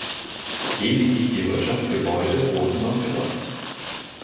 Lediglich die Wirtschaftsgebäude wurden noch genutzt.